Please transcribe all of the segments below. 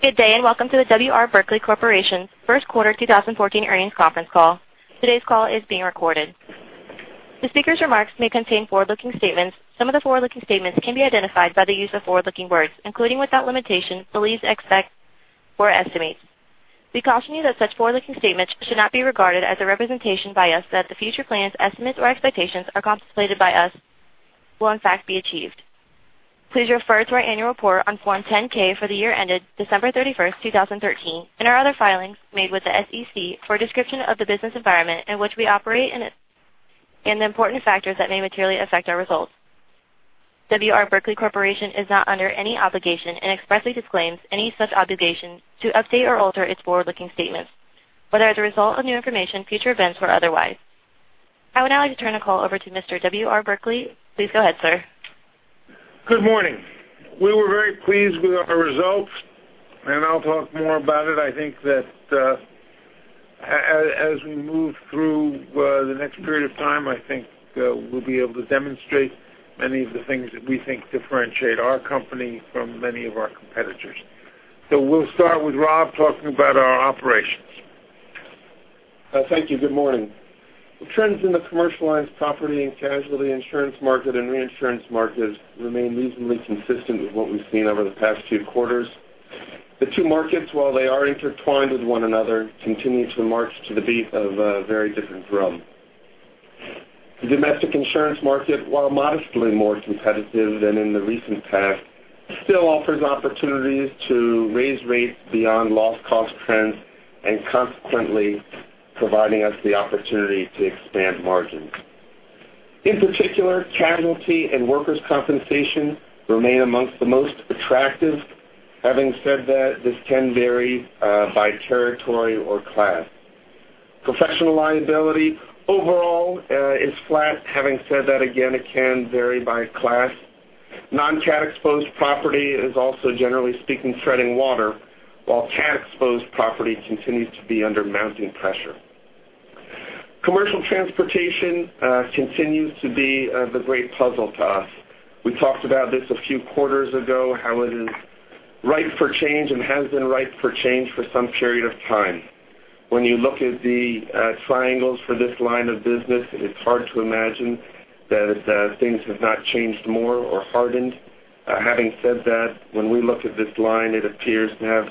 Good day, and welcome to the W. R. Berkley Corporation first quarter 2014 earnings conference call. Today's call is being recorded. The speaker's remarks may contain forward-looking statements. Some of the forward-looking statements can be identified by the use of forward-looking words, including, without limitation, believes, expect, or estimates. We caution you that such forward-looking statements should not be regarded as a representation by us that the future plans, estimates, or expectations contemplated by us will in fact be achieved. Please refer to our annual report on Form 10-K for the year ended December 31st, 2013, and our other filings made with the SEC for a description of the business environment in which we operate and the important factors that may materially affect our results. W. R. Berkley Corporation is not under any obligation and expressly disclaims any such obligation to update or alter its forward-looking statements, whether as a result of new information, future events, or otherwise. I would now like to turn the call over to Mr. William R. Berkley. Please go ahead, sir. Good morning. We were very pleased with our results, and I'll talk more about it. I think that as we move through the next period of time, I think we'll be able to demonstrate many of the things that we think differentiate our company from many of our competitors. We'll start with Rob talking about our operations. Thank you. Good morning. The trends in the commercial lines property and casualty insurance market and reinsurance markets remain reasonably consistent with what we've seen over the past few quarters. The two markets, while they are intertwined with one another, continue to march to the beat of a very different drum. The domestic insurance market, while modestly more competitive than in the recent past, still offers opportunities to raise rates beyond loss cost trends and consequently providing us the opportunity to expand margins. In particular, casualty and workers' compensation remain amongst the most attractive. Having said that, this can vary by territory or class. Professional liability overall is flat. Having said that, again, it can vary by class. Non-cat exposed property is also, generally speaking, treading water, while cat exposed property continues to be under mounting pressure. Commercial transportation continues to be the great puzzle to us. We talked about this a few quarters ago, how it is ripe for change and has been ripe for change for some period of time. When you look at the triangles for this line of business, it's hard to imagine that things have not changed more or hardened. Having said that, when we look at this line, it appears to have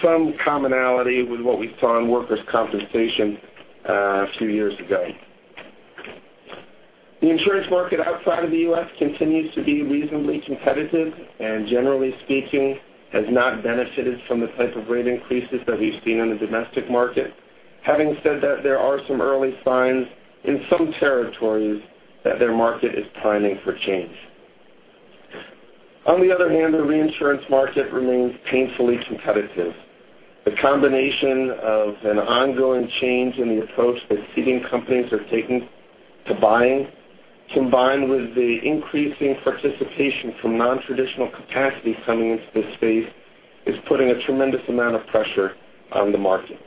some commonality with what we saw in workers' compensation a few years ago. The insurance market outside of the U.S. continues to be reasonably competitive and generally speaking, has not benefited from the type of rate increases that we've seen in the domestic market. Having said that, there are some early signs in some territories that their market is timing for change. On the other hand, the reinsurance market remains painfully competitive. The combination of an ongoing change in the approach that ceding companies are taking to buying, combined with the increasing participation from non-traditional capacity coming into this space is putting a tremendous amount of pressure on the market.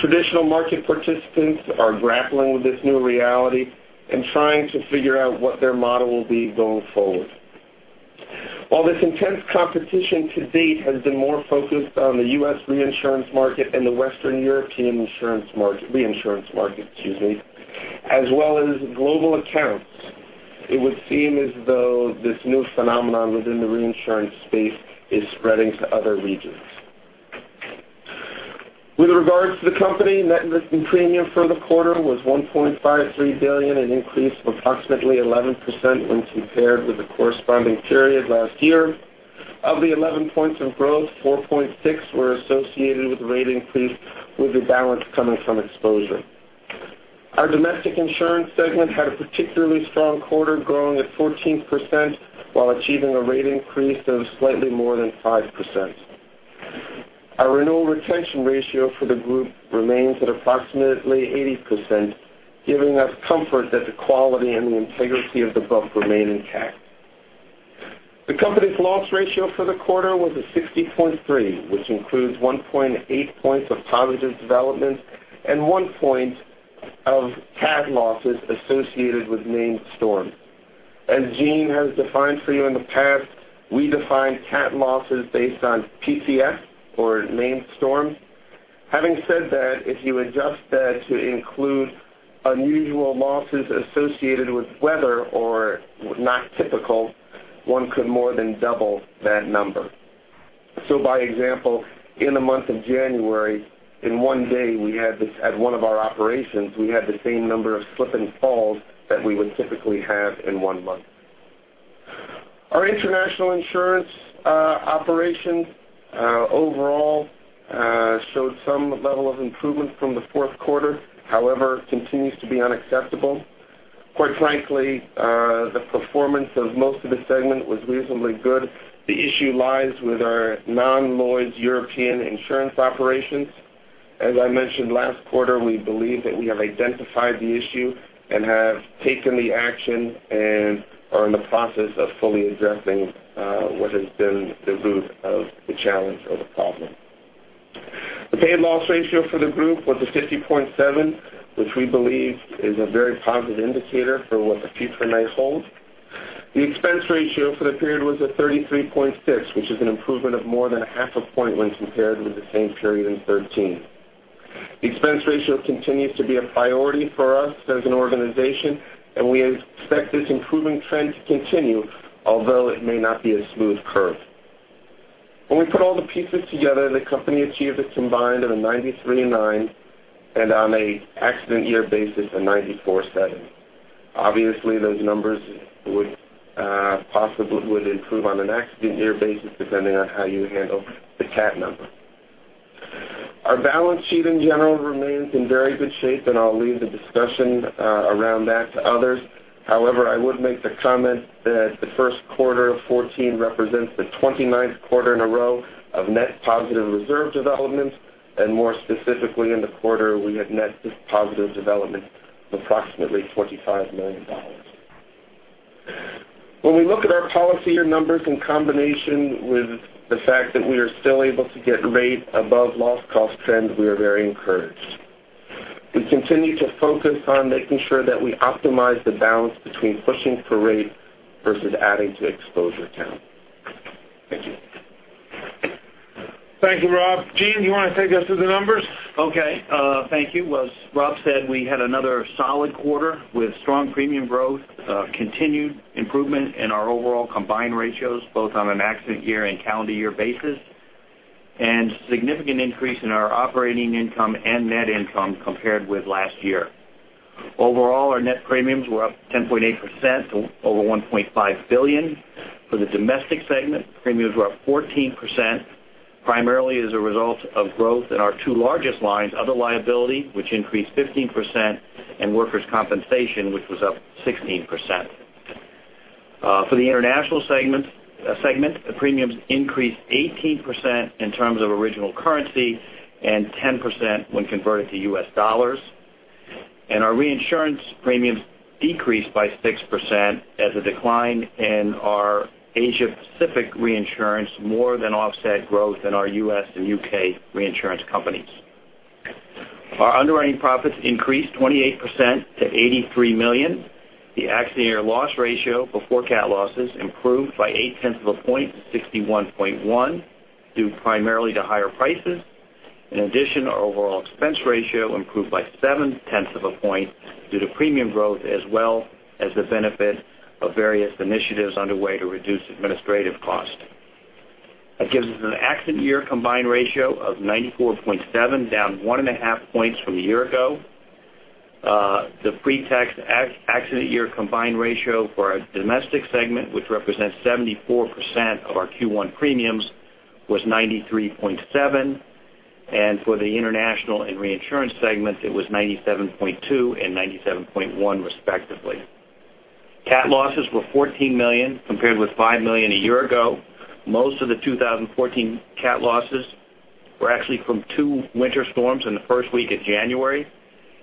Traditional market participants are grappling with this new reality and trying to figure out what their model will be going forward. While this intense competition to date has been more focused on the U.S. reinsurance market and the Western European insurance market, reinsurance market, excuse me, as well as global accounts, it would seem as though this new phenomenon within the reinsurance space is spreading to other regions. With regards to the company, net written premium for the quarter was $1.53 billion, an increase of approximately 11% when compared with the corresponding period last year. Of the 11 points of growth, 4.6 were associated with rate increase, with the balance coming from exposure. Our domestic insurance segment had a particularly strong quarter, growing at 14%, while achieving a rate increase of slightly more than 5%. Our renewal retention ratio for the group remains at approximately 80%, giving us comfort that the quality and the integrity of the book remain intact. The company's loss ratio for the quarter was 60.3, which includes 1.8 points of positive development and 1 point of cat losses associated with named storms. As Gene has defined for you in the past, we define cat losses based on PCS or named storms. Having said that, if you adjust that to include unusual losses associated with weather or not typical, one could more than double that number. By example, in the month of January, in one day at one of our operations, we had the same number of slip and falls that we would typically have in one month. Our international insurance operations overall showed some level of improvement from the fourth quarter, however, continues to be unacceptable. Quite frankly, the performance of most of the segment was reasonably good. The issue lies with our non-Lloyd's European insurance operations. As I mentioned last quarter, we believe that we have identified the issue and have taken the action and are in the process of fully addressing what has been the root of the challenge or the problem. The paid loss ratio for the group was 50.7, which we believe is a very positive indicator for what the future may hold. The expense ratio for the period was a 33.6, which is an improvement of more than a half a point when compared with the same period in 2013. The expense ratio continues to be a priority for us as an organization, and we expect this improving trend to continue, although it may not be a smooth curve. When we put all the pieces together, the company achieved a combined of a 93.9 and on an accident year basis, a 94.7. Obviously, those numbers would improve on an accident year basis depending on how you handle the cat number. Our balance sheet in general remains in very good shape, and I'll leave the discussion around that to others. However, I would make the comment that the first quarter of 2014 represents the 29th quarter in a row of net positive reserve developments, and more specifically in the quarter, we had net positive development of approximately $25 million. When we look at our policy year numbers in combination with the fact that we are still able to get rate above loss cost trends, we are very encouraged. We continue to focus on making sure that we optimize the balance between pushing for rate versus adding to exposure count. Thank you. Thank you, Rob. Gene, do you want to take us through the numbers? Okay. Thank you. As Rob said, we had another solid quarter with strong premium growth, continued improvement in our overall combined ratios, both on an accident year and calendar year basis, and significant increase in our operating income and net income compared with last year. Overall, our net premiums were up 10.8%, to over $1.5 billion. For the domestic segment, premiums were up 14%, primarily as a result of growth in our two largest lines, other liability, which increased 15%, and workers' compensation, which was up 16%. For the international segment, the premiums increased 18% in terms of original currency and 10% when converted to U.S. dollars. Our reinsurance premiums decreased by 6% as a decline in our Asia Pacific reinsurance more than offset growth in our U.S. and U.K. reinsurance companies. Our underwriting profits increased 28% to $83 million. The accident year loss ratio before cat losses improved by eight tenths of a point to 61.1 due primarily to higher prices. In addition, our overall expense ratio improved by seven tenths of a point due to premium growth, as well as the benefit of various initiatives underway to reduce administrative cost. That gives us an accident year combined ratio of 94.7, down one and a half points from a year ago. The pre-tax accident year combined ratio for our domestic segment, which represents 74% of our Q1 premiums, was 93.7, and for the international and reinsurance segments, it was 97.2 and 97.1 respectively. Cat losses were $14 million, compared with $5 million a year ago. Most of the 2014 cat losses were actually from two winter storms in the first week of January.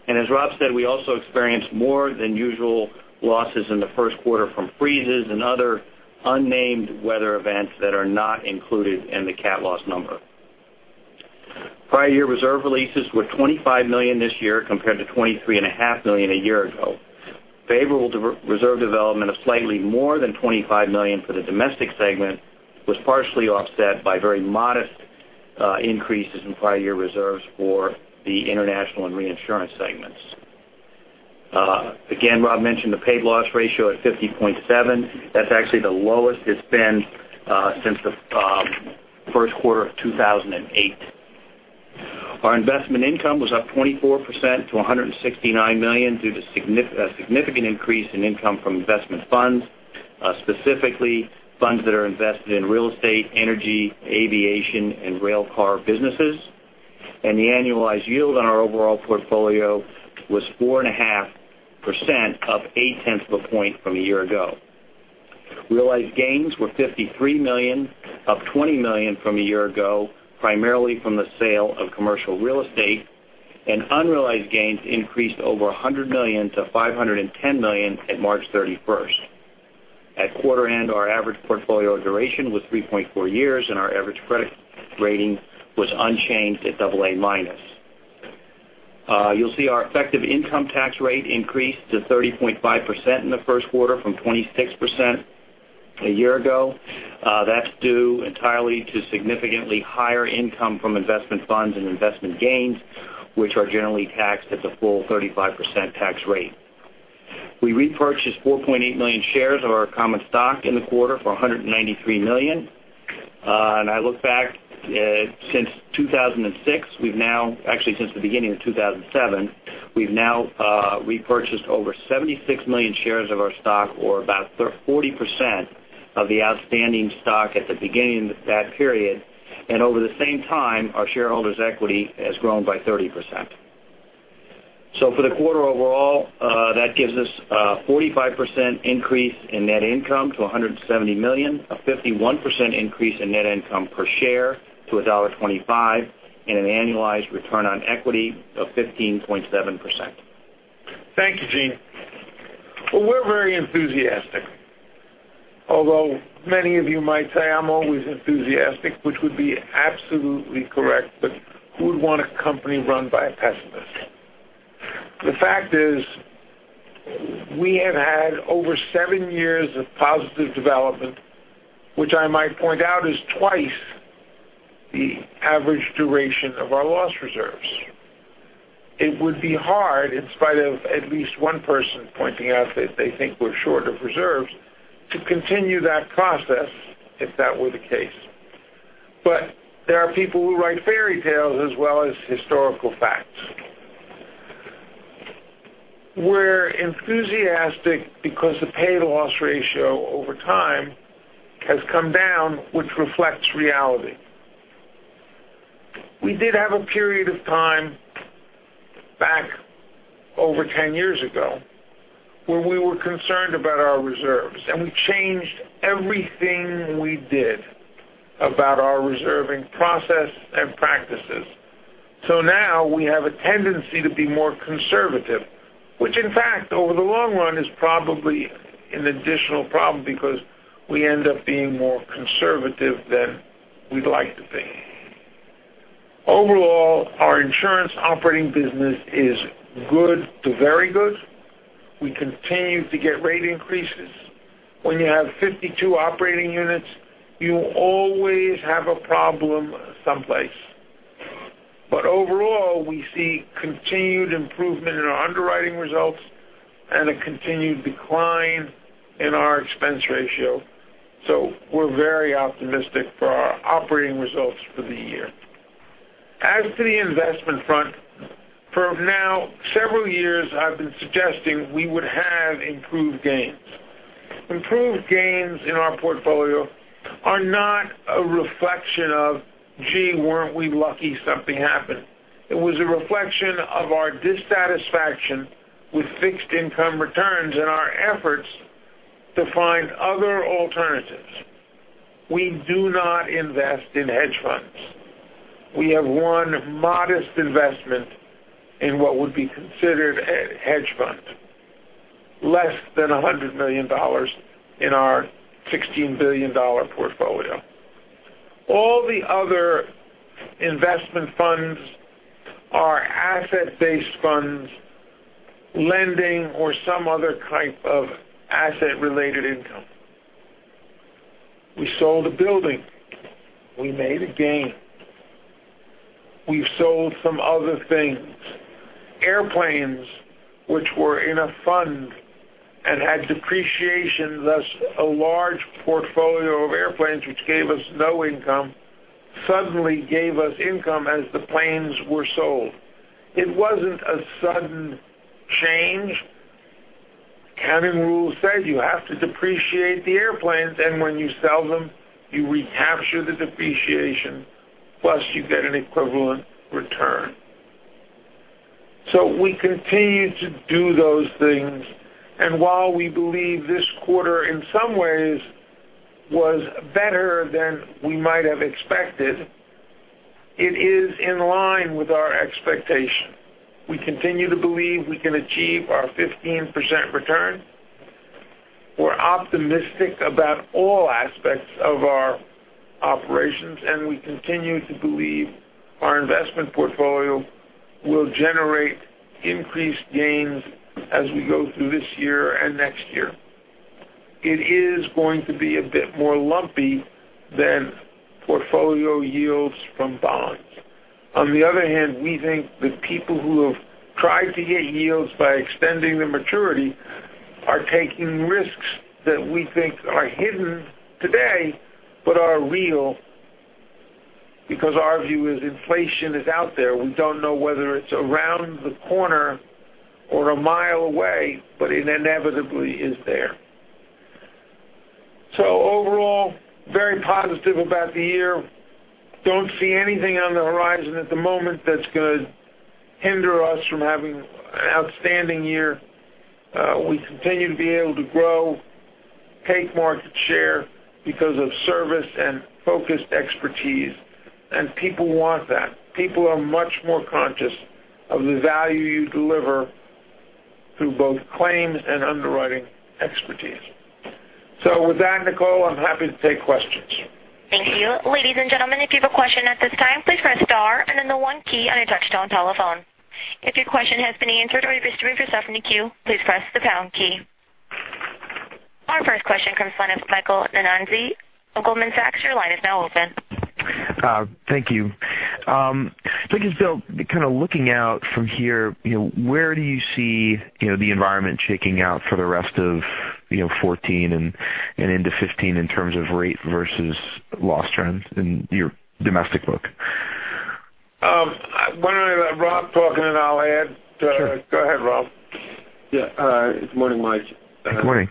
As Rob said, we also experienced more than usual losses in the first quarter from freezes and other unnamed weather events that are not included in the cat loss number. Prior year reserve releases were $25 million this year, compared to $23.5 million a year ago. Favorable reserve development of slightly more than $25 million for the domestic segment was partially offset by very modest increases in prior year reserves for the international and reinsurance segments. Again, Rob mentioned the paid loss ratio at 50.7. That's actually the lowest it's been since the first quarter of 2008. Our investment income was up 24% to $169 million due to a significant increase in income from investment funds, specifically funds that are invested in real estate, energy, aviation, and rail car businesses. The annualized yield on our overall portfolio was 4.5%, up eight tenths of a point from a year ago. Realized gains were $53 million, up $20 million from a year ago, primarily from the sale of commercial real estate, and unrealized gains increased over $100 million to $510 million at March 31st. At quarter end, our average portfolio duration was 3.4 years, and our average credit rating was unchanged at double A minus. You'll see our effective income tax rate increased to 30.5% in the first quarter from 26% a year ago. That's due entirely to significantly higher income from investment funds and investment gains, which are generally taxed at the full 35% tax rate. We repurchased 4.8 million shares of our common stock in the quarter for $193 million. I look back since 2006, we've now, actually since the beginning of 2007, we've now repurchased over 76 million shares of our stock or about 40% of the outstanding stock at the beginning of that period. Over the same time, our shareholders' equity has grown by 30%. For the quarter overall, that gives us a 45% increase in net income to $170 million, a 51% increase in net income per share to $1.25, and an annualized return on equity of 15.7%. Thank you, Gene. Well, we're very enthusiastic. Although many of you might say I'm always enthusiastic, which would be absolutely correct, but who would want a company run by a pessimist? The fact is, we have had over seven years of positive development, which I might point out is twice the average duration of our loss reserves. It would be hard, in spite of at least one person pointing out that they think we're short of reserves, to continue that process if that were the case. There are people who write fairy tales as well as historical facts. We're enthusiastic because the paid loss ratio over time has come down, which reflects reality. We did have a period of time back over 10 years ago, where we were concerned about our reserves, and we changed everything we did about our reserving process and practices. Now we have a tendency to be more conservative, which in fact, over the long run is probably an additional problem because we end up being more conservative than we'd like to be. Overall, our insurance operating business is good to very good. We continue to get rate increases. When you have 52 operating units, you always have a problem someplace. Overall, we see continued improvement in our underwriting results and a continued decline in our expense ratio. We're very optimistic for our operating results for the year. As to the investment front, for now, several years I've been suggesting we would have improved gains. Improved gains in our portfolio are not a reflection of, "Gee, weren't we lucky something happened?" It was a reflection of our dissatisfaction with fixed income returns and our efforts to find other alternatives. We do not invest in hedge funds. We have one modest investment in what would be considered hedge funds, less than $100 million in our $16 billion portfolio. All the other investment funds are asset-based funds, lending, or some other type of asset-related income. We sold a building. We made a gain. We've sold some other things, airplanes, which were in a fund and had depreciation, thus a large portfolio of airplanes, which gave us no income, suddenly gave us income as the planes were sold. It wasn't a sudden change. Accounting rules said you have to depreciate the airplanes, and when you sell them, you recapture the depreciation, plus you get an equivalent return. We continue to do those things, and while we believe this quarter in some ways was better than we might have expected, it is in line with our expectation. We continue to believe we can achieve our 15% return. We're optimistic about all aspects of our operations, and we continue to believe our investment portfolio will generate increased gains as we go through this year and next year. It is going to be a bit more lumpy than portfolio yields from bonds. On the other hand, we think that people who have tried to get yields by extending the maturity are taking risks that we think are hidden today but are real because our view is inflation is out there. We don't know whether it's around the corner or a mile away, but it inevitably is there. Overall, very positive about the year. Don't see anything on the horizon at the moment that's going to hinder us from having an outstanding year. We continue to be able to grow, take market share because of service and focused expertise, and people want that. People are much more conscious of the value you deliver through both claims and underwriting expertise. With that, Nicole, I'm happy to take questions. Thank you. Ladies and gentlemen, if you have a question at this time, please press star and then the one key on your touchtone telephone. If your question has been answered or you're just removing yourself from the queue, please press the pound key. Our first question comes from the line of Michael Nannizzi of Goldman Sachs. Your line is now open. Thank you. Thinking, Bill, kind of looking out from here, where do you see the environment shaking out for the rest of 2014 and into 2015 in terms of rate versus loss trends in your domestic book? Why don't I let Rob talk then I'll add? Sure. Go ahead, Rob. Yeah. It's morning, Mike. Good morning.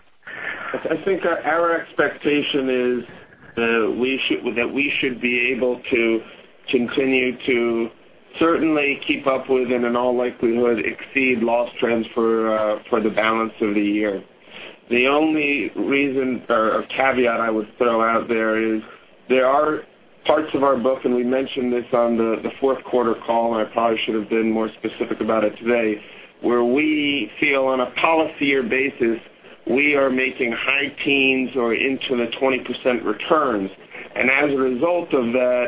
I think our expectation is that we should be able to continue to certainly keep up with and in all likelihood, exceed loss trends for the balance of the year. The only reason or caveat I would throw out there is Parts of our book, and we mentioned this on the fourth quarter call, and I probably should have been more specific about it today, where we feel on a policy or basis, we are making high teens or into the 20% returns. As a result of that,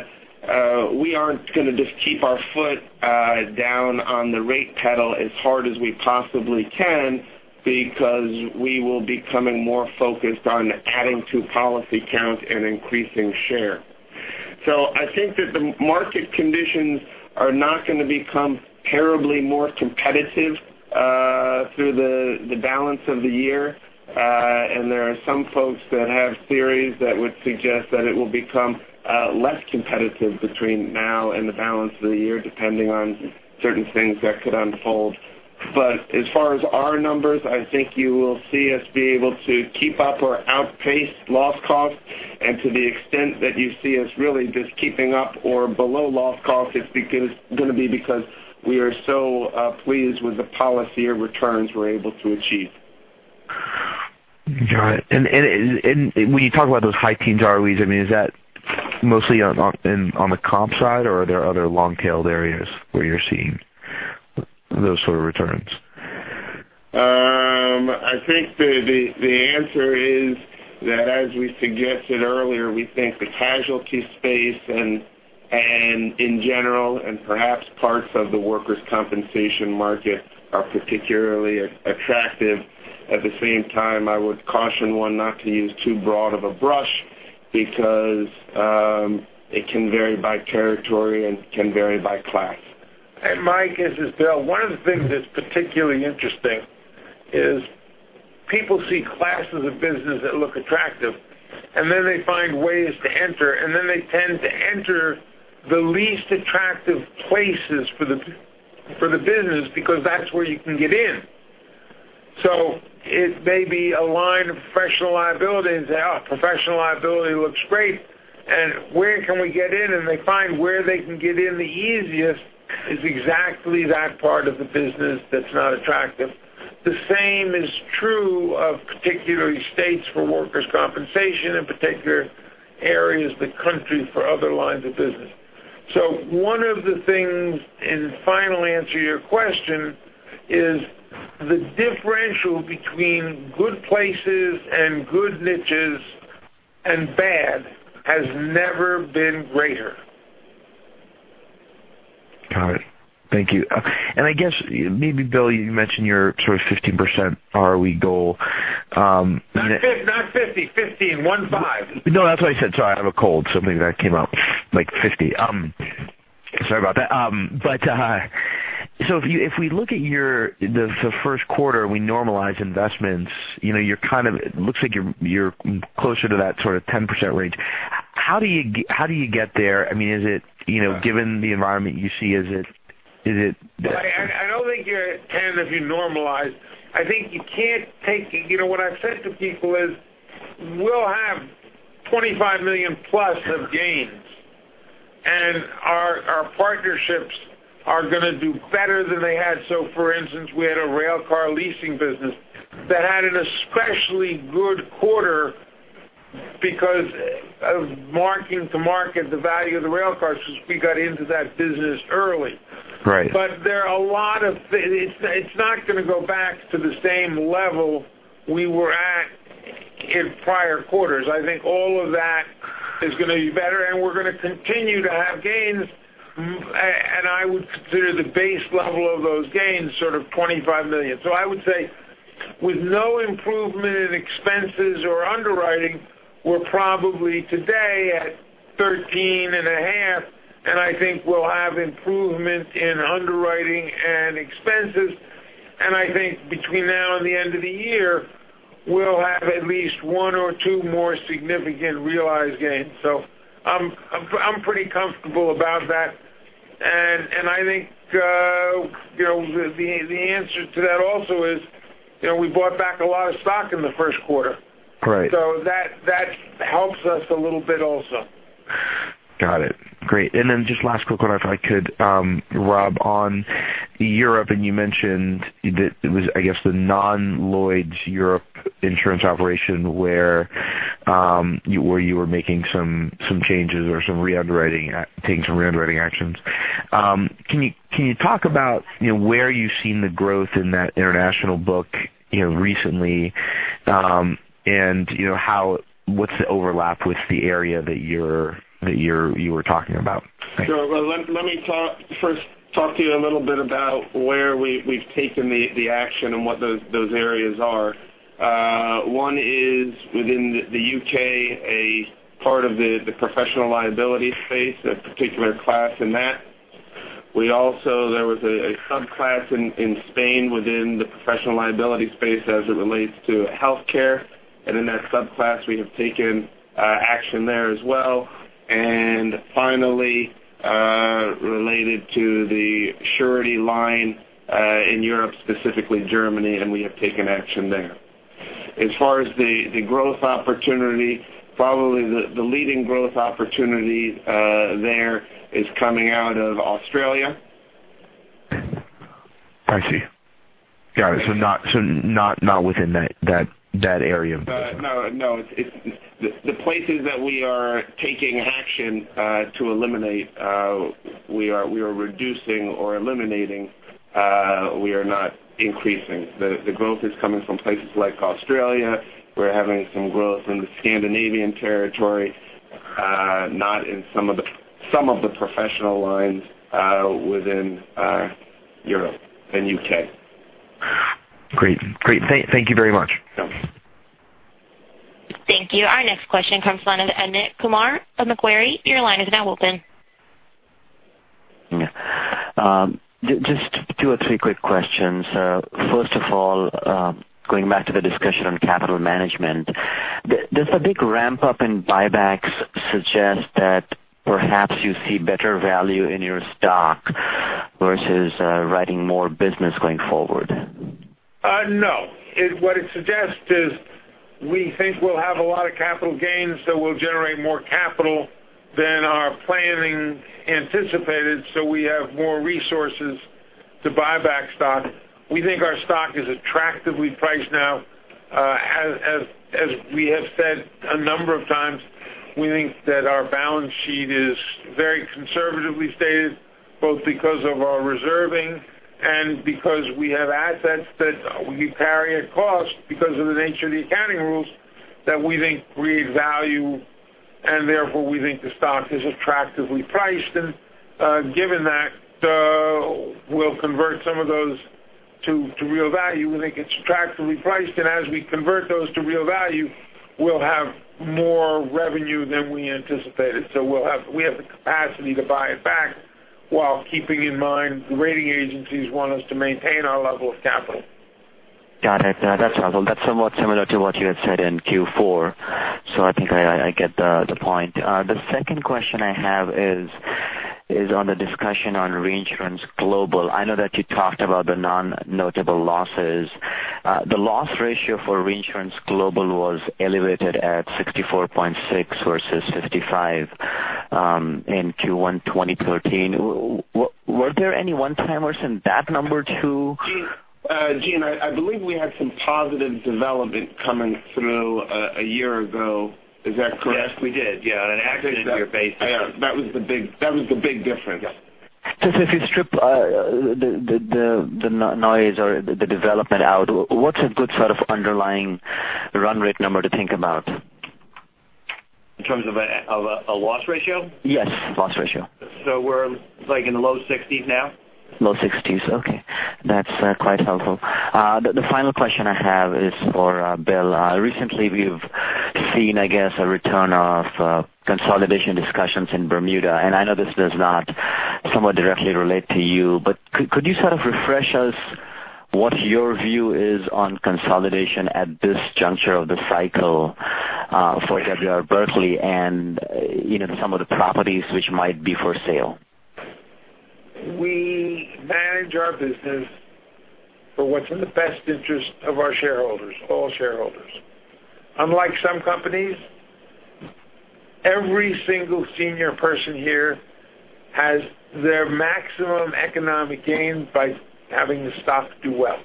we aren't going to just keep our foot down on the rate pedal as hard as we possibly can because we will be becoming more focused on adding to policy count and increasing share. I think that the market conditions are not going to become terribly more competitive through the balance of the year. There are some folks that have theories that would suggest that it will become less competitive between now and the balance of the year, depending on certain things that could unfold. As far as our numbers, I think you will see us be able to keep up or outpace loss cost. To the extent that you see us really just keeping up or below loss cost, it's going to be because we are so pleased with the policy of returns we're able to achieve. Got it. When you talk about those high teens ROEs, is that mostly on the comp side, or are there other long-tailed areas where you're seeing those sort of returns? I think the answer is that as we suggested earlier, we think the casualty space and in general, and perhaps parts of the workers' compensation market are particularly attractive. At the same time, I would caution one not to use too broad of a brush because it can vary by territory and can vary by class. Mike, this is Bill. One of the things that's particularly interesting is people see classes of business that look attractive, they find ways to enter, they tend to enter the least attractive places for the business because that's where you can get in. It may be a line of professional liability and say, "Oh, professional liability looks great, where can we get in?" They find where they can get in the easiest is exactly that part of the business that's not attractive. The same is true of particularly states for workers' compensation, in particular areas of the country for other lines of business. One of the things, final answer to your question, is the differential between good places and good niches and bad, has never been greater. Got it. Thank you. I guess, maybe Bill, you mentioned your sort of 15% ROE goal. Not 50, 15. No, that's what I said. Sorry, I have a cold, so maybe that came out like 50. Sorry about that. If we look at the first quarter, we normalize investments, it looks like you're closer to that sort of 10% range. How do you get there? Given the environment you see, I don't think you're at 10 if you normalize. What I've said to people is, we'll have $25 million-plus of gains, and our partnerships are going to do better than they had. For instance, we had a railcar leasing business that had an especially good quarter because of marking to market the value of the railcars because we got into that business early. Right. It's not going to go back to the same level we were at in prior quarters. I think all of that is going to be better, and we're going to continue to have gains, and I would consider the base level of those gains sort of $25 million. I would say with no improvement in expenses or underwriting, we're probably today at $13 and a half, and I think we'll have improvement in underwriting and expenses. I think between now and the end of the year, we'll have at least one or two more significant realized gains. I'm pretty comfortable about that. I think the answer to that also is, we bought back a lot of stock in the first quarter. Right. That helps us a little bit also. Got it. Great. Just last quick one, if I could, Rob, on Europe, and you mentioned that it was, I guess, the non-Lloyd's Europe insurance operation where you were making some changes or taking some re-underwriting actions. Can you talk about where you've seen the growth in that international book recently, and what's the overlap with the area that you were talking about? Sure. Let me first talk to you a little bit about where we've taken the action and what those areas are. One is within the U.K., a part of the professional liability space, a particular class in that. There was a subclass in Spain within the professional liability space as it relates to healthcare. In that subclass, we have taken action there as well. Finally, related to the surety line in Europe, specifically Germany, and we have taken action there. As far as the growth opportunity, probably the leading growth opportunity there is coming out of Australia. I see. Got it. Not within that area of business. No. The places that we are taking action to eliminate, we are reducing or eliminating, we are not increasing. The growth is coming from places like Australia. We're having some growth in the Scandinavian territory, not in some of the professional lines within Europe and U.K. Great. Thank you very much. Yeah. Thank you. Our next question comes from Amit Kumar from Macquarie. Your line is now open. Yeah. Just two or three quick questions. First of all, going back to the discussion on capital management, does a big ramp-up in buybacks suggest that perhaps you see better value in your stock versus writing more business going forward? No. What it suggests is we think we'll have a lot of capital gains, so we'll generate more capital than our planning anticipated, we have more resources to buy back stock. We think our stock is attractively priced now. As we have said a number of times, we think that our balance sheet is very conservatively stated, both because of our reserving and because we have assets that we carry a cost because of the nature of the accounting rules that we think create value, and therefore, we think the stock is attractively priced. Given that, we'll convert some of those to real value. We think it's attractively priced, as we convert those to real value, we'll have more revenue than we anticipated. We have the capacity to buy it back while keeping in mind the rating agencies want us to maintain our level of capital. Got it. That's helpful. That's somewhat similar to what you had said in Q4, I think I get the point. The second question I have is on the discussion on reinsurance global. I know that you talked about the non-notable losses. The loss ratio for reinsurance global was elevated at 64.6 versus 55 in Q1 2013. Were there any one-timers in that number too? Gene, I believe we had some positive development coming through a year ago. Is that correct? Yes, we did. Yeah, an accident year basis. That was the big difference. Yeah. If you strip the noise or the development out, what's a good sort of underlying run rate number to think about? In terms of a loss ratio? Yes. Loss ratio. We're like in the low 60s now. Low 60s, okay. That's quite helpful. The final question I have is for Bill. Recently, we've seen, I guess, a return of consolidation discussions in Bermuda, and I know this does not somewhat directly relate to you, but could you sort of refresh us what your view is on consolidation at this juncture of the cycle for William R. Berkley and some of the properties which might be for sale? We manage our business for what's in the best interest of our shareholders, all shareholders. Unlike some companies, every single senior person here has their maximum economic gain by having the stock do well.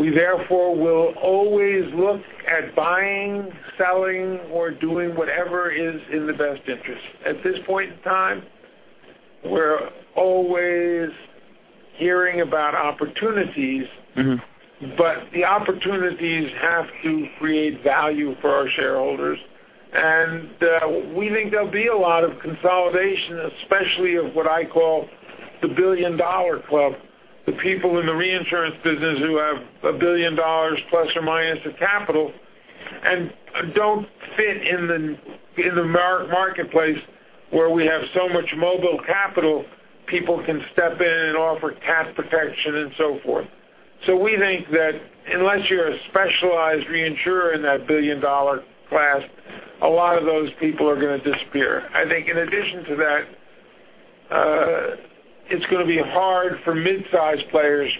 We therefore will always look at buying, selling, or doing whatever is in the best interest. At this point in time, we're always hearing about opportunities. The opportunities have to create value for our shareholders. We think there'll be a lot of consolidation, especially of what I call the billion-dollar club, the people in the reinsurance business who have a billion dollars plus or minus of capital and don't fit in the marketplace where we have so much mobile capital, people can step in and offer cat protection and so forth. We think that unless you're a specialized reinsurer in that billion-dollar class, a lot of those people are going to disappear. In addition to that, it's going to be hard for mid-size players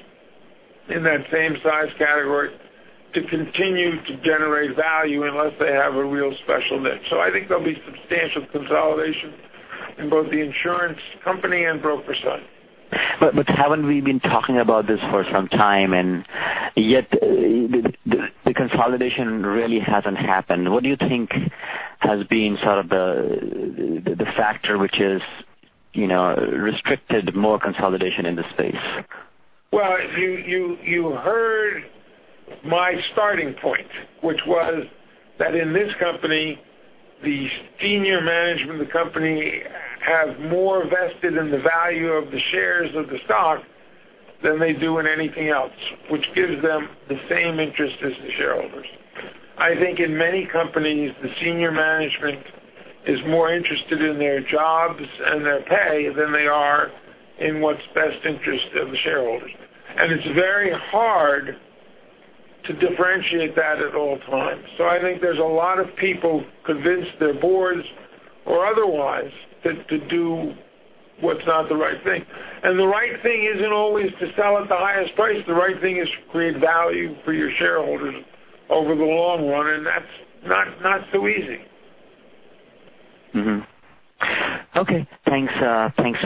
in that same size category to continue to generate value unless they have a real special niche. I think there'll be substantial consolidation in both the insurance company and broker side. Haven't we been talking about this for some time, and yet the consolidation really hasn't happened. What do you think has been sort of the factor which has restricted more consolidation in the space? Well, you heard my starting point, which was that in this company, the senior management of the company have more vested in the value of the shares of the stock than they do in anything else, which gives them the same interest as the shareholders. I think in many companies, the senior management is more interested in their jobs and their pay than they are in what's best interest of the shareholders. It's very hard to differentiate that at all times. I think there's a lot of people convince their boards or otherwise to do what's not the right thing. The right thing isn't always to sell at the highest price. The right thing is to create value for your shareholders over the long run, and that's not so easy. Okay. Thanks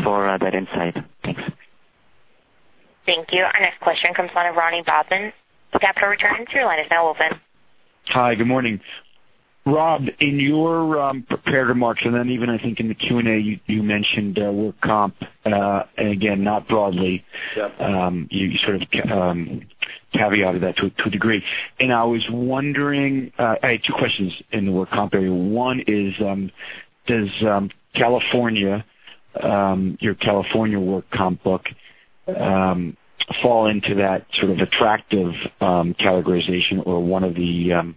for that insight. Thanks. Thank you. Our next question comes from Ronnie Bobman, Capital Returns. Your line is now open. Hi, good morning. Rob, in your prepared remarks, then even I think in the Q&A, you mentioned work comp. Again, not broadly. Yep. You sort of caveated that to a degree. I had two questions in the work comp area. One is, does your California work comp book fall into that sort of attractive categorization or one of the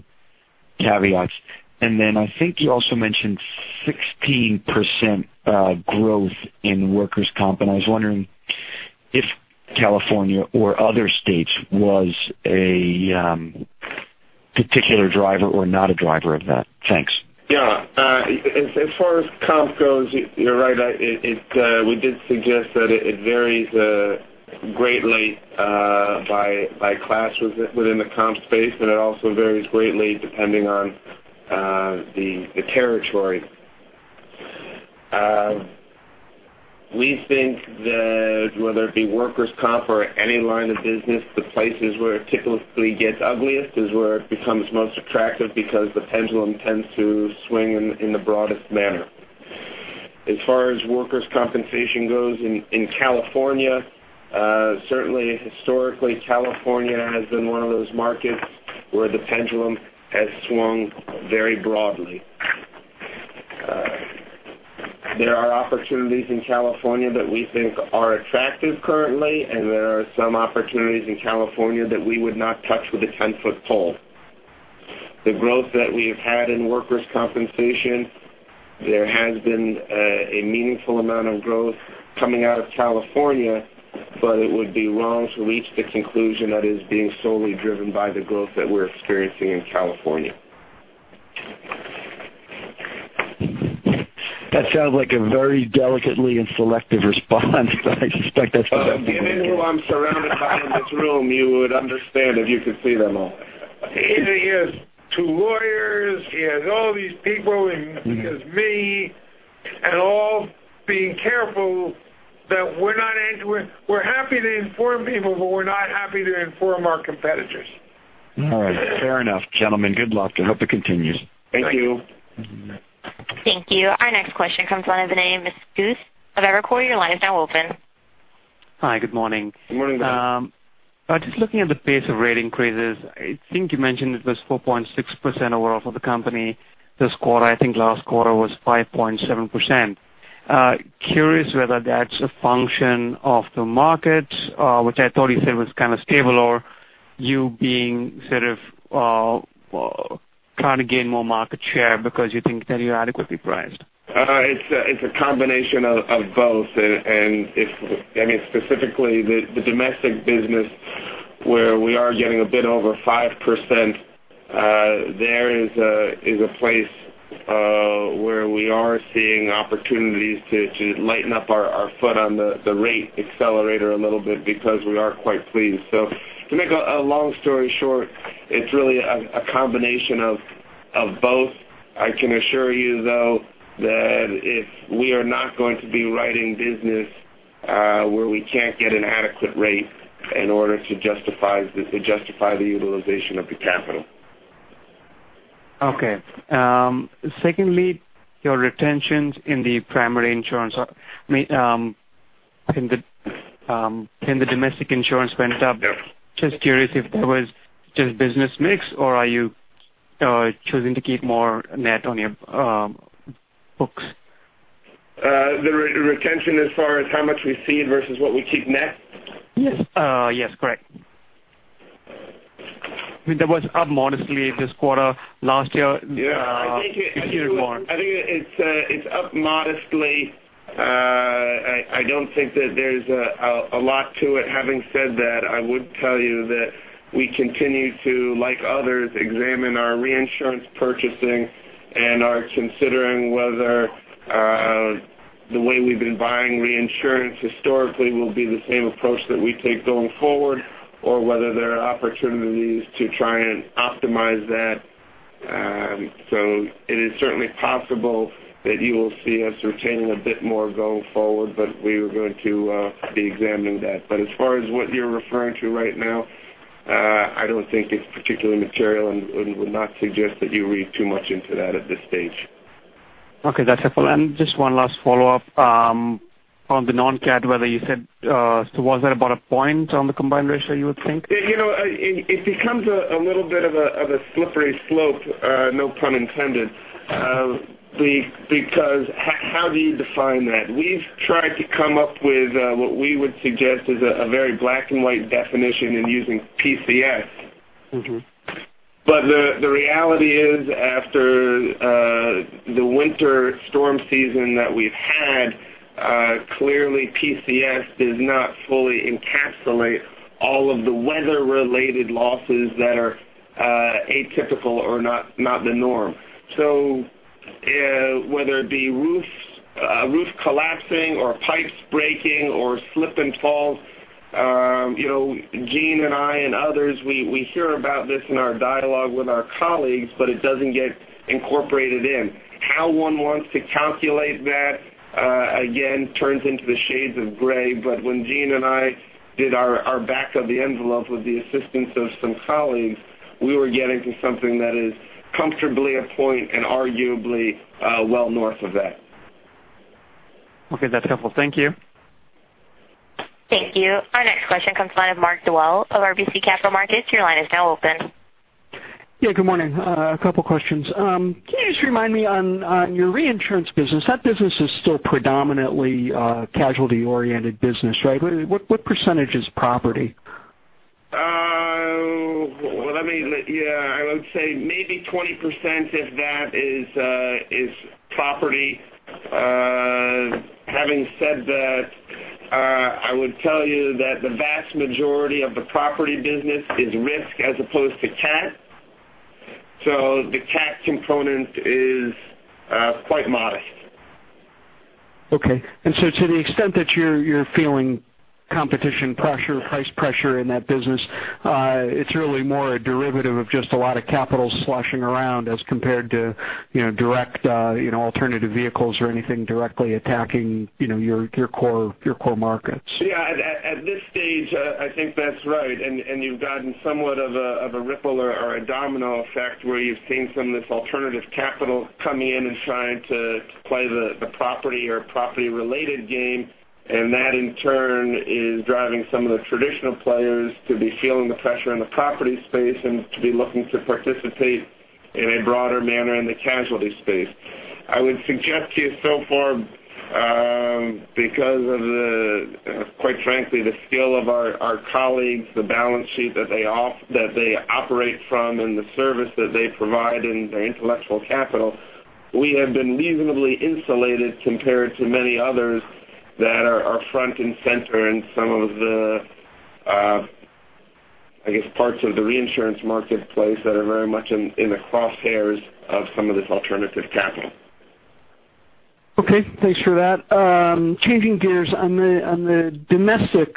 caveats? Then I think you also mentioned 16% growth in workers' comp. I was wondering if California or other states was a particular driver or not a driver of that. Thanks. Yeah. As far as comp goes, you're right. We did suggest that it varies greatly by classes within the comp space, it also varies greatly depending on the territory. We think that whether it be workers' comp or any line of business, the places where it typically gets ugliest is where it becomes most attractive because the pendulum tends to swing in the broadest manner. As far as workers' compensation goes in California, certainly historically, California has been one of those markets where the pendulum has swung very broadly. There are opportunities in California that we think are attractive currently, there are some opportunities in California that we would not touch with a 10-foot pole. The growth that we have had in workers' compensation, there has been a meaningful amount of growth coming out of California. It would be wrong to reach the conclusion that is being solely driven by the growth that we're experiencing in California. That sounds like a very delicately and selective response, but I suspect. Given who I'm surrounded by in this room, you would understand if you could see them all. He has two lawyers. He has all these people and he has me, all being careful that we're happy to inform people, but we're not happy to inform our competitors. All right. Fair enough, gentlemen. Good luck and hope it continues. Thank you. Thank you. Our next question comes line of Vinay Misquith, Evercore. Your line is now open. Hi, good morning. Good morning, Vinay. Just looking at the pace of rate increases. I think you mentioned it was 4.6% overall for the company this quarter. I think last quarter was 5.7%. Curious whether that's a function of the market, which I thought you said was kind of stable, or you being sort of trying to gain more market share because you think that you're adequately priced. It's a combination of both. Specifically, the domestic business where we are getting a bit over 5%, there is a place where we are seeing opportunities to lighten up our foot on the rate accelerator a little bit because we are quite pleased. To make a long story short, it's really a combination of both. I can assure you though, that we are not going to be writing business where we can't get an adequate rate in order to justify the utilization of the capital. Okay. Secondly, your retentions in the primary insurance in the domestic insurance went up. Yep. Just curious if that was just business mix or are you choosing to keep more net on your books? The retention as far as how much we cede versus what we keep net? Yes. Correct. That was up modestly this quarter. Yeah. It's even more. I think it's up modestly. I don't think that there's a lot to it. Having said that, I would tell you that we continue to, like others, examine our reinsurance purchasing, and are considering whether the way we've been buying reinsurance historically will be the same approach that we take going forward, or whether there are opportunities to try and optimize that. It is certainly possible that you will see us retaining a bit more going forward. We are going to be examining that. As far as what you're referring to right now, I don't think it's particularly material and would not suggest that you read too much into that at this stage. Okay. That's helpful. Just one last follow-up. On the non-cat weather, you said towards that about one point on the combined ratio, you would think? It becomes a little bit of a slippery slope, no pun intended. How do you define that? We've tried to come up with what we would suggest is a very black and white definition in using PCS. The reality is, after the winter storm season that we've had, clearly PCS does not fully encapsulate all of the weather-related losses that are atypical or not the norm. Whether it be a roof collapsing or pipes breaking or slip and falls. Gene and I and others, we hear about this in our dialogue with our colleagues, it doesn't get incorporated in. How one wants to calculate that, again, turns into the shades of gray, when Gene and I did our back of the envelope with the assistance of some colleagues, we were getting to something that is comfortably one point and arguably well north of that. Okay. That's helpful. Thank you. Thank you. Our next question comes the line of Mark Dwelle of RBC Capital Markets. Your line is now open. Yeah, good morning. A couple questions. Can you just remind me on your reinsurance business, that business is still predominantly a casualty-oriented business, right? What percentage is property? I would say maybe 20%, if that, is property. Having said that, I would tell you that the vast majority of the property business is risk as opposed to cat. The cat component is quite modest. Okay. To the extent that you're feeling competition pressure, price pressure in that business, it's really more a derivative of just a lot of capital sloshing around as compared to direct alternative vehicles or anything directly attacking your core markets. Yeah. At this stage, I think that's right. You've gotten somewhat of a ripple or a domino effect where you've seen some of this alternative capital coming in and trying to play the property or property-related game. That in turn is driving some of the traditional players to be feeling the pressure in the property space and to be looking to participate in a broader manner in the casualty space. I would suggest to you so far, because of the, quite frankly, the skill of our colleagues, the balance sheet that they operate from, and the service that they provide and their intellectual capital, we have been reasonably insulated compared to many others that are front and center in some of the, I guess, parts of the reinsurance marketplace that are very much in the crosshairs of some of this alternative capital. Okay. Thanks for that. Changing gears. On the domestic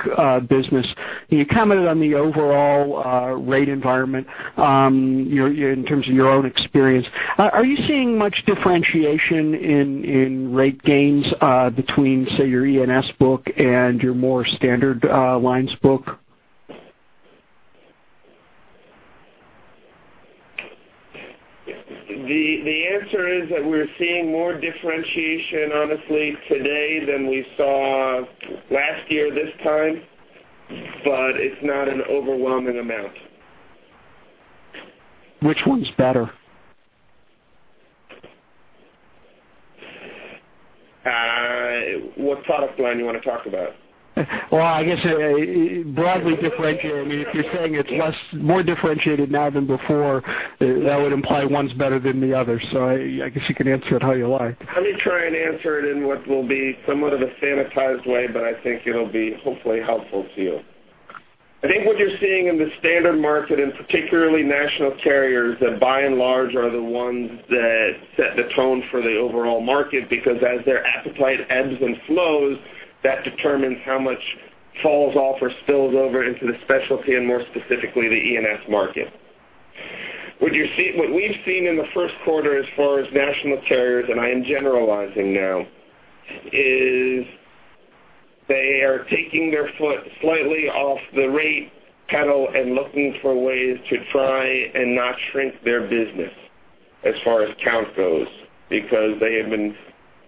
business, you commented on the overall rate environment in terms of your own experience. Are you seeing much differentiation in rate gains between, say, your E&S book and your more standard lines book? The answer is that we're seeing more differentiation, honestly today than we saw last year this time. It's not an overwhelming amount. Which one's better? What product line you want to talk about? Well, I guess, broadly differentiating. If you're saying it's more differentiated now than before, that would imply one's better than the other. I guess you can answer it how you like. Let me try and answer it in what will be somewhat of a sanitized way, I think it'll be hopefully helpful to you. I think what you're seeing in the standard market, particularly national carriers that by and large are the ones that set the tone for the overall market, because as their appetite ebbs and flows, that determines how much falls off or spills over into the specialty and more specifically, the E&S market. What we've seen in the first quarter as far as national carriers, I am generalizing now, is they are taking their foot slightly off the rate pedal and looking for ways to try and not shrink their business as far as count goes. They have been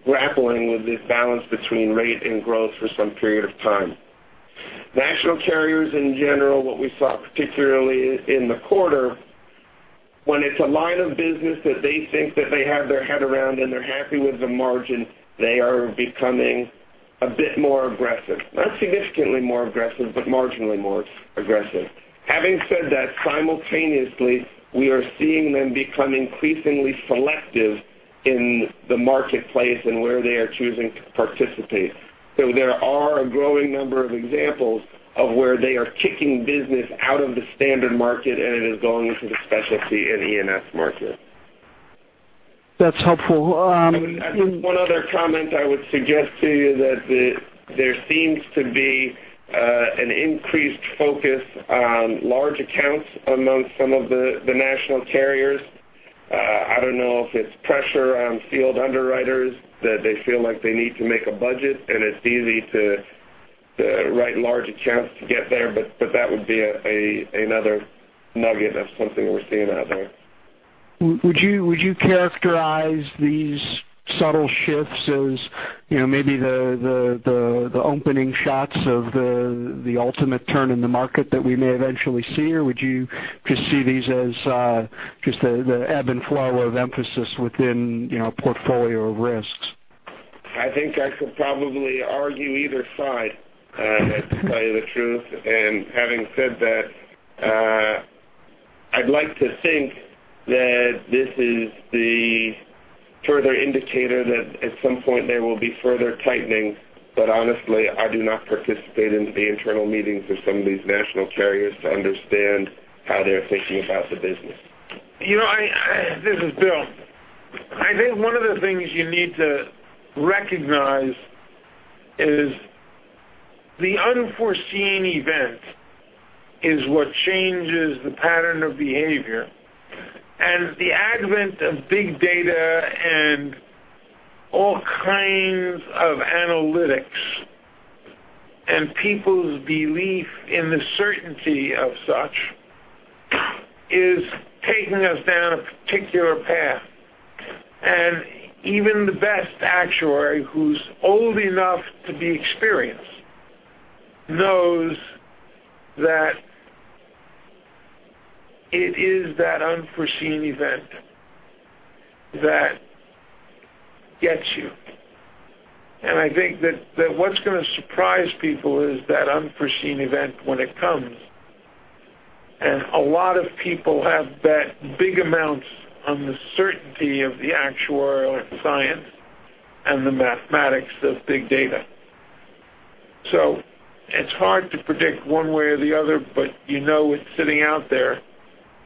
grappling with this balance between rate and growth for some period of time. National carriers in general, what we saw, particularly in the quarter, when it's a line of business that they think that they have their head around and they're happy with the margin, they are becoming a bit more aggressive. Not significantly more aggressive, marginally more aggressive. Having said that, simultaneously, we are seeing them become increasingly selective in the marketplace and where they are choosing to participate. There are a growing number of examples of where they are kicking business out of the standard market, it is going into the specialty and E&S market. That's helpful. One other comment I would suggest to you that there seems to be an increased focus on large accounts amongst some of the national carriers. I don't know if it's pressure on field underwriters that they feel like they need to make a budget, and it's easy to write large accounts to get there, but that would be another nugget of something that we're seeing out there. Would you characterize these subtle shifts as maybe the opening shots of the ultimate turn in the market that we may eventually see? Would you just see these as just the ebb and flow of emphasis within a portfolio of risks? I think I could probably argue either side, to tell you the truth. Having said that, I'd like to think that this is the further indicator that at some point there will be further tightening. Honestly, I do not participate in the internal meetings of some of these national carriers to understand how they're thinking about the business. This is Bill. I think one of the things you need to recognize is the unforeseen event is what changes the pattern of behavior. The advent of big data and all kinds of analytics, and people's belief in the certainty of such, is taking us down a particular path. Even the best actuary who's old enough to be experienced knows that it is that unforeseen event that gets you. I think that what's going to surprise people is that unforeseen event when it comes, and a lot of people have bet big amounts on the certainty of the actuarial science and the mathematics of big data. It's hard to predict one way or the other, but you know it's sitting out there,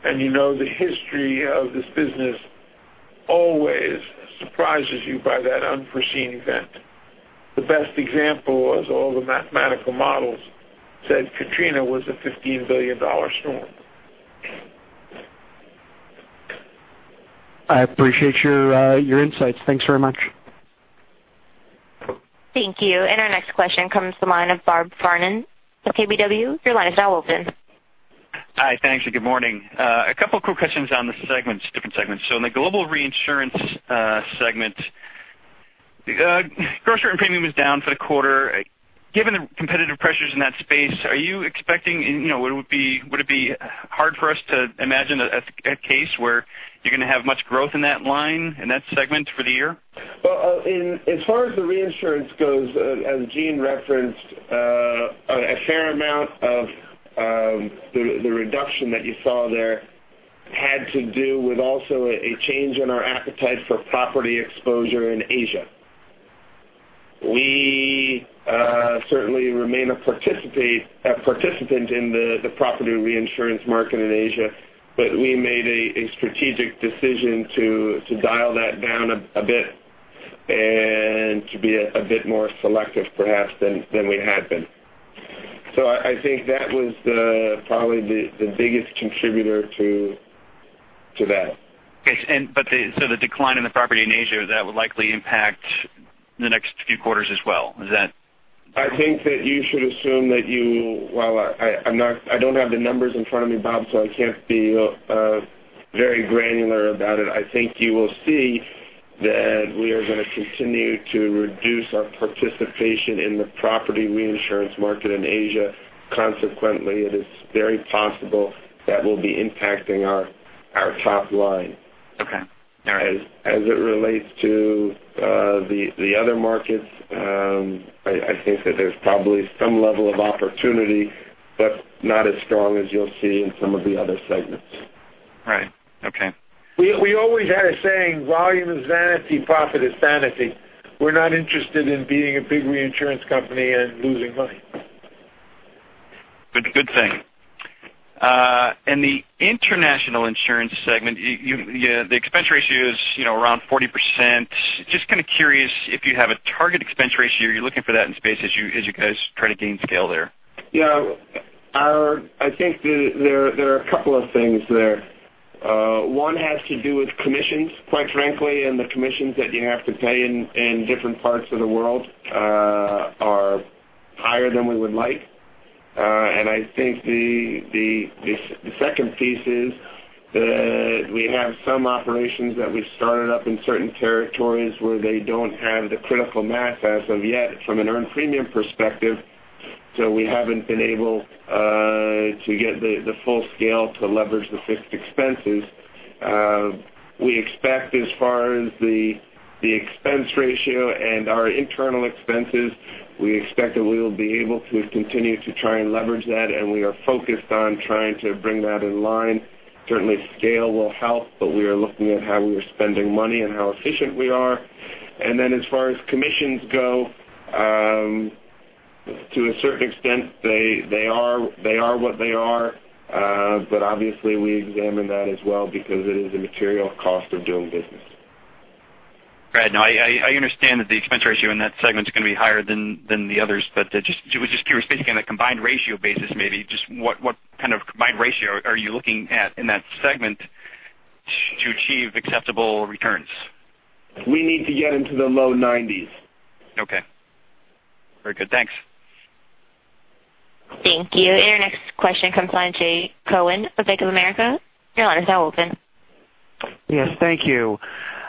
and you know the history of this business always surprises you by that unforeseen event. The best example was all the mathematical models said Katrina was a $15 billion storm. I appreciate your insights. Thanks very much. Thank you. Our next question comes to the line of Robert Farnan of KBW. Your line is now open. Hi. Thanks, and good morning. A couple of quick questions on the different segments. In the global reinsurance segment, gross written premium was down for the quarter. Given the competitive pressures in that space, would it be hard for us to imagine a case where you're going to have much growth in that line, in that segment for the year? Well, as far as the reinsurance goes, as Gene referenced, a fair amount of the reduction that you saw there had to do with also a change in our appetite for property exposure in Asia. We certainly remain a participant in the property reinsurance market in Asia, but we made a strategic decision to dial that down a bit and to be a bit more selective perhaps than we had been. I think that was probably the biggest contributor to that. Okay. The decline in the property in Asia, that would likely impact the next few quarters as well. Is that- I think that you should assume that you Well, I don't have the numbers in front of me, Bob, I can't be very granular about it. I think you will see that we are going to continue to reduce our participation in the property reinsurance market in Asia. Consequently, it is very possible that will be impacting our top line. Okay. All right. As it relates to the other markets, I think that there's probably some level of opportunity, but not as strong as you'll see in some of the other segments. Right. Okay. We always had a saying, volume is vanity, profit is sanity. We're not interested in being a big reinsurance company and losing money. Good thing. In the international insurance segment, the expense ratio is around 40%. Just kind of curious if you have a target expense ratio. Are you looking for that in space as you guys try to gain scale there? I think there are a couple of things there. One has to do with commissions, quite frankly. The commissions that you have to pay in different parts of the world are higher than we would like. I think the second piece is that we have some operations that we started up in certain territories where they don't have the critical mass as of yet from an earned premium perspective. We haven't been able to get the full scale to leverage the fixed expenses. We expect as far as the expense ratio and our internal expenses, we expect that we will be able to continue to try and leverage that. We are focused on trying to bring that in line. Certainly, scale will help, we are looking at how we are spending money and how efficient we are. As far as commissions go, to a certain extent, they are what they are. Obviously, we examine that as well because it is a material cost of doing business. Right. No, I understand that the expense ratio in that segment is going to be higher than the others. I was just curious, thinking on a combined ratio basis, maybe, just what kind of combined ratio are you looking at in that segment to achieve acceptable returns? We need to get into the low nineties. Okay. Very good. Thanks. Thank you. Your next question comes line Jay Cohen of Bank of America. Your line is now open. Yes. Thank you.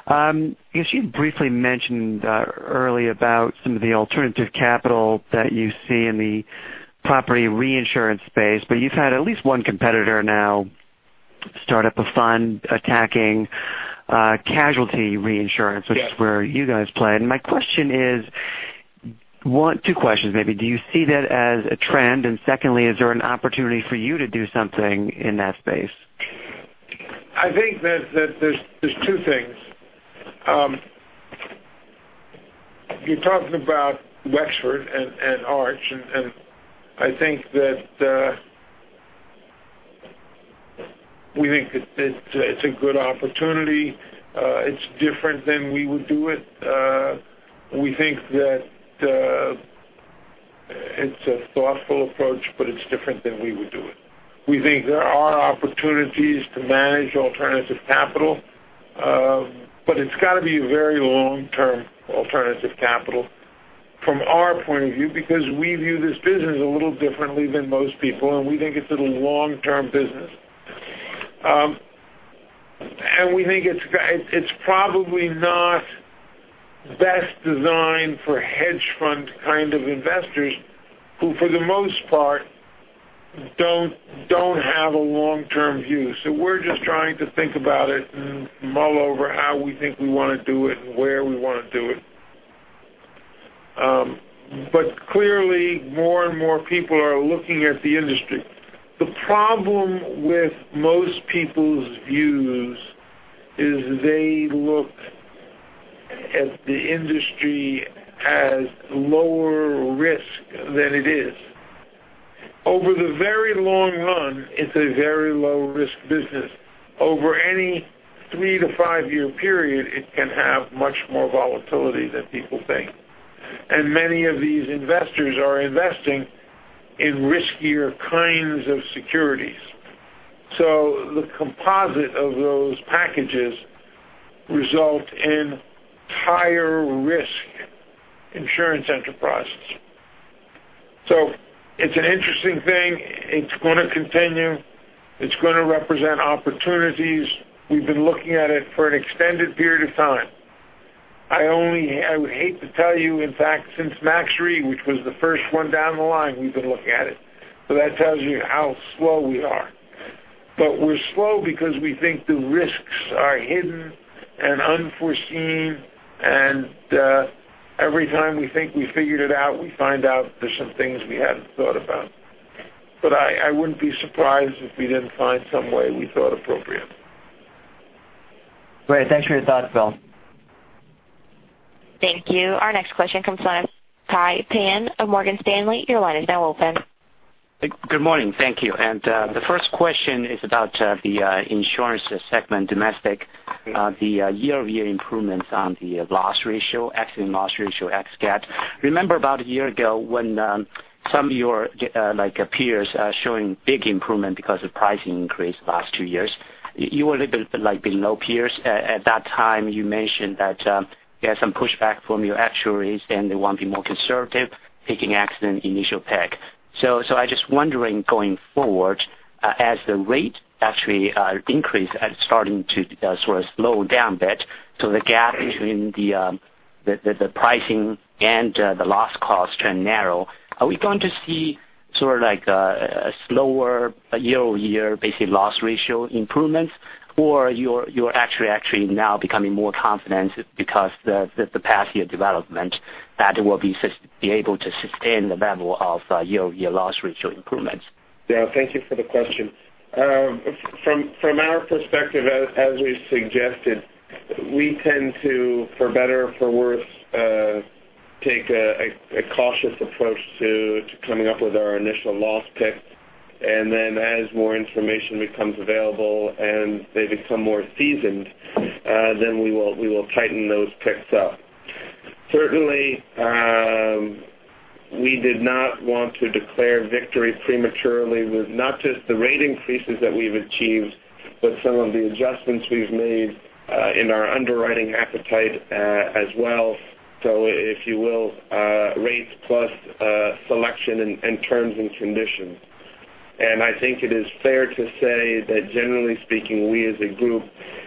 I guess you briefly mentioned early about some of the alternative capital that you see in the property reinsurance space, but you've had at least one competitor now start up a fund attacking casualty reinsurance. Yes Two questions maybe. Do you see that as a trend? Secondly, is there an opportunity for you to do something in that space? I think that there's two things. You're talking about Watford and Arch, I think that we think it's a good opportunity. It's different than we would do it. We think that it's a thoughtful approach, it's different than we would do it. We think there are opportunities to manage alternative capital, it's got to be very long-term alternative capital from our point of view, because we view this business a little differently than most people, we think it's a long-term business. We think it's probably not best designed for hedge fund kind of investors who, for the most part, don't have a long-term view. We're just trying to think about it and mull over how we think we want to do it and where we want to do it. Clearly, more and more people are looking at the industry. The problem with most people's views is they look at the industry as lower risk than it is. Over the very long run, it's a very low-risk business. Over any three to five-year period, it can have much more volatility than people think. Many of these investors are investing in riskier kinds of securities. The composite of those packages result in higher risk insurance enterprises. It's an interesting thing. It's going to continue. It's going to represent opportunities. We've been looking at it for an extended period of time. I would hate to tell you, in fact, since Max Re, which was the first one down the line, we've been looking at it. That tells you how slow we are. We're slow because we think the risks are hidden and unforeseen, every time we think we figured it out, we find out there are some things we hadn't thought about. I wouldn't be surprised if we didn't find some way we thought appropriate. Great. Thanks for your thoughts, Bill. Thank you. Our next question comes from Kai Pan of Morgan Stanley. Your line is now open. Good morning. Thank you. The first question is about the insurance segment, domestic, the year-over-year improvements on the loss ratio, accident loss ratio, ex-CAT. Remember about a year ago when some of your peers are showing big improvement because of pricing increase the last two years, you were a little bit below peers. At that time, you mentioned that you had some pushback from your actuaries, and they want to be more conservative, taking accident initial pick. I'm just wondering, going forward, as the rate actually increase and starting to sort of slow down a bit, the gap between the pricing and the loss cost trend narrow, are we going to see sort of like a slower year-over-year basic loss ratio improvements? You're actually now becoming more confident because the past year development that it will be able to sustain the level of year-over-year loss ratio improvements? Yeah, thank you for the question. From our perspective, as we suggested, we tend to, for better or for worse, take a cautious approach to coming up with our initial loss pick, and then as more information becomes available and they become more seasoned, then we will tighten those picks up. Certainly, we did not want to declare victory prematurely with not just the rate increases that we've achieved, but some of the adjustments we've made in our underwriting appetite as well. If you will, rates plus selection and terms and conditions. I think it is fair to say that generally speaking, we as a group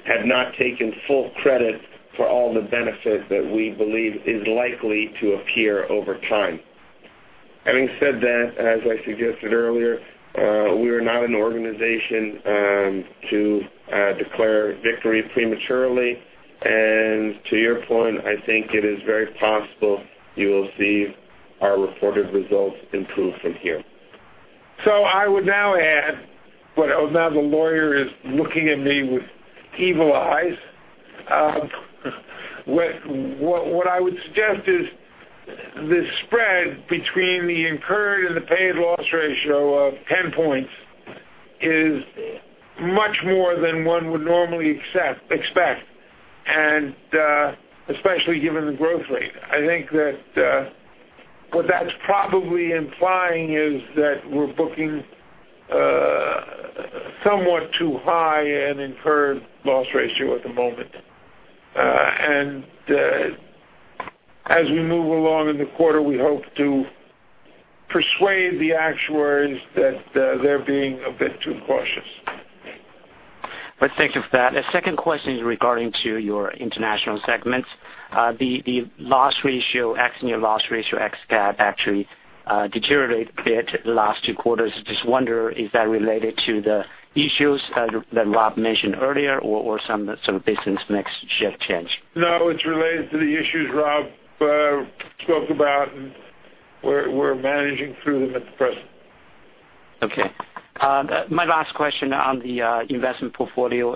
have not taken full credit for all the benefit that we believe is likely to appear over time. Having said that, as I suggested earlier, we are not an organization to declare victory prematurely. To your point, I think it is very possible you will see our reported results improve from here. I would now add, but now the lawyer is looking at me with evil eyes. What I would suggest is the spread between the incurred and the paid loss ratio of 10 points is much more than one would normally expect, and especially given the growth rate. I think that what that's probably implying is that we're booking somewhat too high an incurred loss ratio at the moment. As we move along in the quarter, we hope to persuade the actuaries that they're being a bit too cautious. Thank you for that. A second question is regarding to your international segments. The loss ratio, accident year loss ratio, ex-CAT actually deteriorated a bit the last two quarters. I just wonder, is that related to the issues that Rob mentioned earlier or some business mix shift change? No, it's related to the issues Rob spoke about, and we're managing through them at the present. Okay. My last question on the investment portfolio.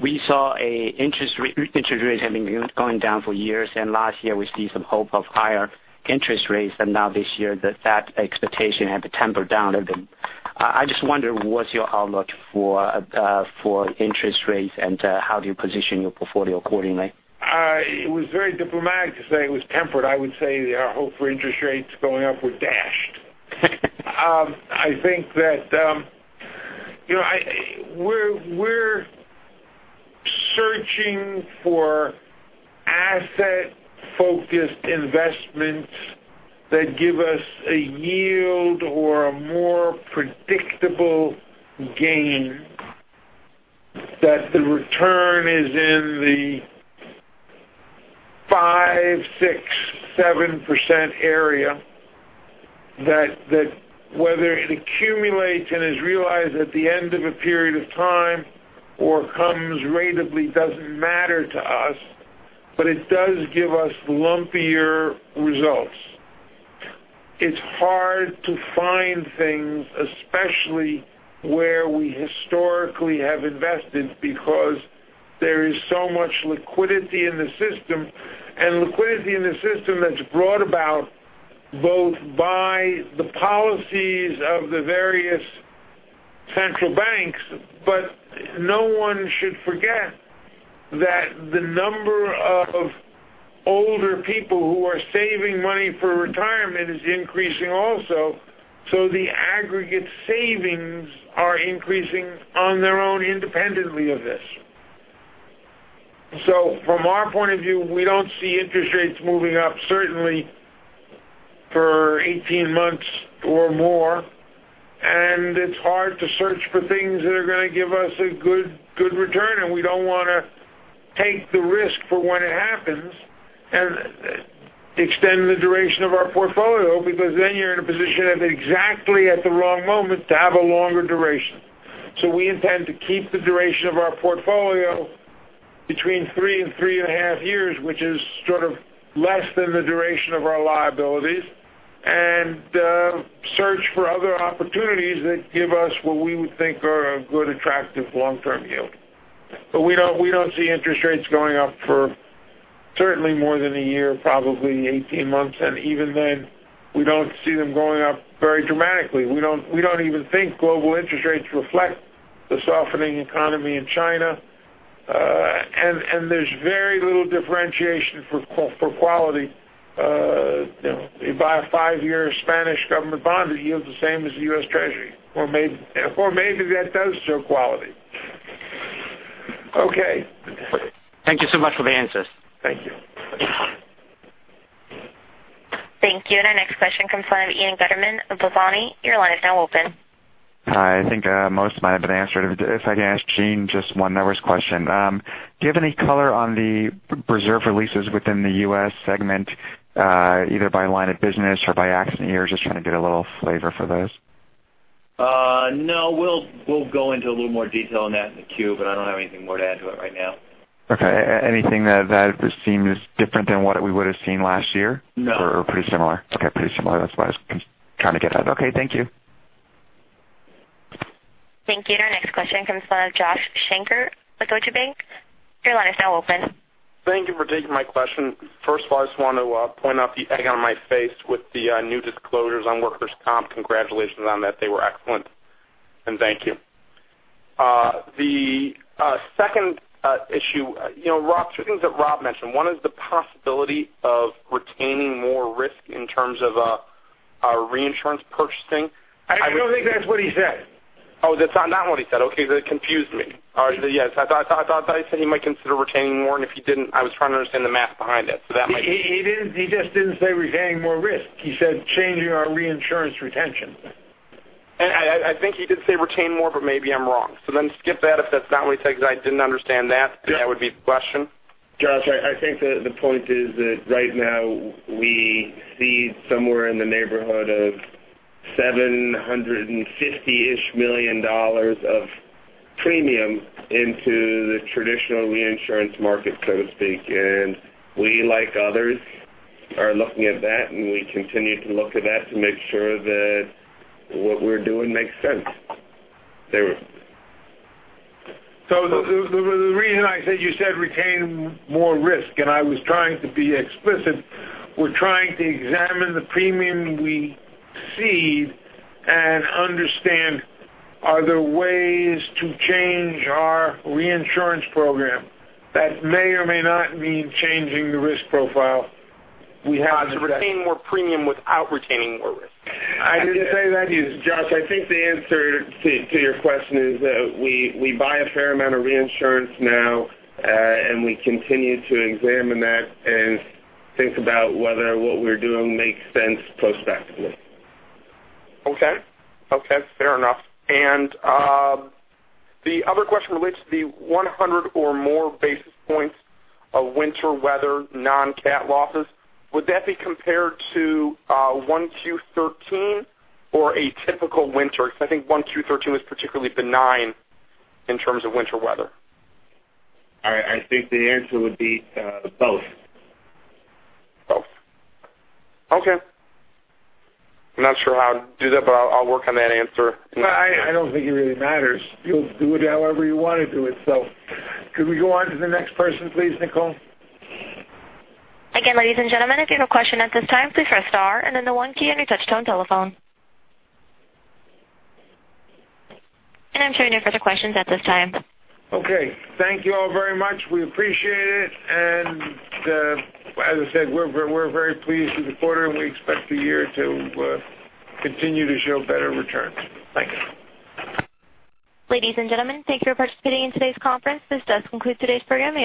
We saw an interest rate having been going down for years. Last year we see some hope of higher interest rates. Now this year, that expectation had to temper down a bit. I just wonder, what's your outlook for interest rates, and how do you position your portfolio accordingly? It was very diplomatic to say it was tempered. I would say our hope for interest rates going up were dashed. I think that we're searching for asset-focused investments that give us a yield or a more predictable gain, that the return is in the five, six, 7% area, that whether it accumulates and is realized at the end of a period of time or comes ratably doesn't matter to us, but it does give us lumpier results. It's hard to find things, especially where we historically have invested, because there is so much liquidity in the system, and liquidity in the system that's brought about both by the policies of the various central banks. No one should forget that the number of older people who are saving money for retirement is increasing also. The aggregate savings are increasing on their own independently of this. From our point of view, we don't see interest rates moving up certainly for 18 months or more. It's hard to search for things that are going to give us a good return. We don't want to take the risk for when it happens and extend the duration of our portfolio, because then you're in a position of exactly at the wrong moment to have a longer duration. We intend to keep the duration of our portfolio between three and three and a half years, which is sort of less than the duration of our liabilities. Search for other opportunities that give us what we would think are a good attractive long-term yield. We don't see interest rates going up for certainly more than a year, probably 18 months. Even then, we don't see them going up very dramatically. We don't even think global interest rates reflect the softening economy in China. There's very little differentiation for quality. If you buy a five-year Spanish government bond, it yields the same as the U.S. Treasury, or maybe that does show quality. Okay. Thank you so much for the answers. Thank you. Thank you. Our next question comes from Ian Gutterman of Balyasny Asset Management. Your line is now open. Hi. I think most have been answered. If I can ask Gene just one numbers question. Do you have any color on the reserve releases within the U.S. segment, either by line of business or by accident? You're just trying to get a little flavor for those? No. We'll go into a little more detail on that in the Q. I don't have anything more to add to it right now. Okay. Anything that seems different than what we would've seen last year? No. Pretty similar? Okay. Pretty similar. That's what I was trying to get at. Okay, thank you. Thank you. Our next question comes from Joshua Shanker with Deutsche Bank. Your line is now open. Thank you for taking my question. First of all, I just want to point out the egg on my face with the new disclosures on workers' comp. Congratulations on that, they were excellent, and thank you. The second issue, two things that Rob mentioned. One is the possibility of retaining more risk in terms of our reinsurance purchasing. I don't think that's what he said. Oh, that's not what he said. Okay. That confused me. Yes. I thought that he said he might consider retaining more, and if he didn't, I was trying to understand the math behind it. He just didn't say retaining more risk. He said changing our reinsurance retention. I think he did say retain more, but maybe I'm wrong. Skip that if that's not what he said, because I didn't understand that. That would be the question. Josh, I think the point is that right now we cede somewhere in the neighborhood of $750-ish million of premium into the traditional reinsurance market, so to speak. We, like others, are looking at that, and we continue to look at that to make sure that what we're doing makes sense. The reason I said you said retain more risk, and I was trying to be explicit, we're trying to examine the premium we cede and understand are there ways to change our reinsurance program. That may or may not mean changing the risk profile we have. To retain more premium without retaining more risk. I didn't say that. Josh, I think the answer to your question is that we buy a fair amount of reinsurance now, and we continue to examine that and think about whether what we're doing makes sense prospectively. Okay. Fair enough. The other question relates to the 100 or more basis points of winter weather non-cat losses. Would that be compared to 2013 or a typical winter? Because I think 2013 was particularly benign in terms of winter weather. I think the answer would be both. Both. Okay. I'm not sure how to do that, but I'll work on that answer. I don't think it really matters. You'll do it however you want to do it. Could we go on to the next person, please, Nicole? Again, ladies and gentlemen, if you have a question at this time, please press star and then the one key on your touchtone telephone. I'm showing no further questions at this time. Okay. Thank you all very much. We appreciate it, and as I said, we're very pleased with the quarter, and we expect the year to continue to show better returns. Thank you. Ladies and gentlemen, thank you for participating in today's conference. This does conclude today's program.